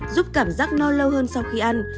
giúp cảm giác no lâu hơn sau khi ăn